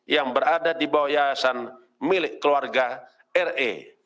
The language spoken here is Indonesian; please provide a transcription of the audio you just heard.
yang berada di bawah yayasan milik keluarga re